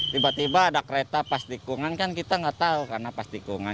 tiba tiba ada kereta pas dikungan kan kita nggak tahu kenapa pas dikungan